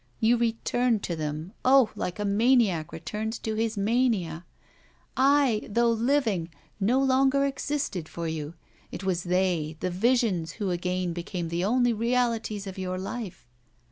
You returned to them, oh! like a maniac returns to his mania. I, though living, no longer existed for you; it was they, the visions, who again became the only realities of your life.